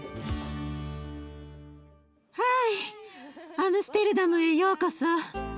アムステルダムへようこそ。